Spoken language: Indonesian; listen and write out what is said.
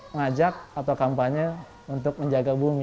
kita mengajak atau kampanye untuk menjaga bumi